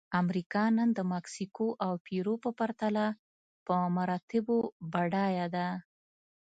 امریکا نن د مکسیکو او پیرو په پرتله په مراتبو بډایه ده.